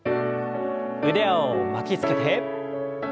腕を巻きつけて。